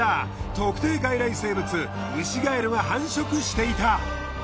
特定外来生物ウシガエルが繁殖していた。